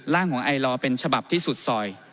ของไอลอเป็นฉบับที่สุดซอย